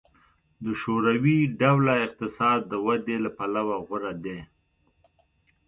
د شوروي ډوله اقتصاد د ودې له پلوه غوره دی